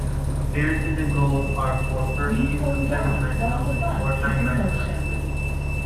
Appearances and goals are for first-team competitive matches only; wartime matches are excluded.